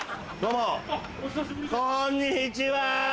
こんにちは！